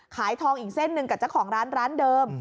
ขายทองอีกเส้นหนึ่งกับเจ้าของร้านร้านเดิม